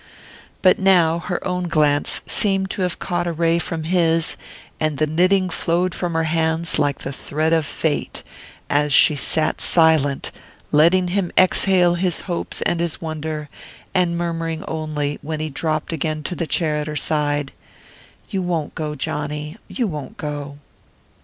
But now her own glance seemed to have caught a ray from his, and the knitting flowed from her hands like the thread of fate, as she sat silent, letting him exhale his hopes and his wonder, and murmuring only, when he dropped again to the chair at her side: "You won't go, Johnny you won't go."